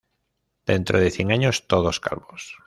Dentro de cien años, todos calvos